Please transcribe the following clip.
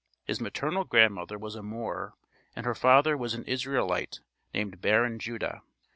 His maternal grandmother was a Moor; and her father was an Israelite, named Baron Judah.